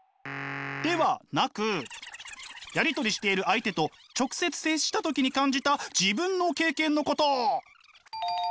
ではなくやり取りしている相手と直接接した時に感じた自分の経験のこと！